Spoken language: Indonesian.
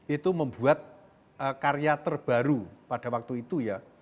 itu membuat karya terbaru pada waktu itu ya